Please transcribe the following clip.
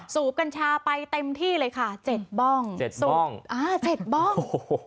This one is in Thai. สูบกัญชาไปเต็มที่เลยค่ะเจ็บบ้องเจ็บน้องอเจ็บบ้อง